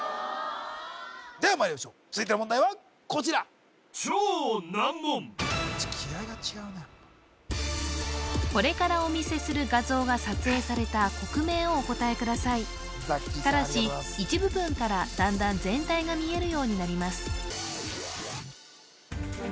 ではまいりましょう続いての問題はこちら気合いが違うなやっぱこれからお見せする画像が撮影された国名をお答えくださいただし一部分からだんだん全体が見えるようになります